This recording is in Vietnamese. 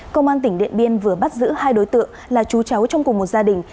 công an tỉnh điện biên vừa bắt giữ hai đối tượng là chú cháu trong cùng một gia đình